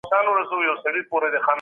درملنه یې بریالۍ وه.